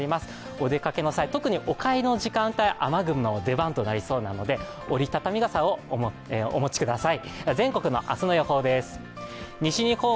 お出かけの際、特にお帰りの時間帯雨具の出番となりそうなので折り畳み傘をお持ちください。